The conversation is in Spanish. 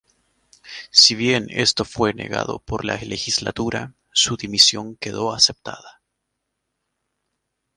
Si bien esto fue negado por la Legislatura, su dimisión quedó aceptada.